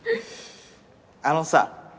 あのさ